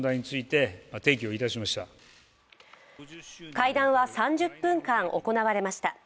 会談は３０分間行われました。